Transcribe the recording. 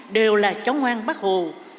đều là chóng hoan bắc hồ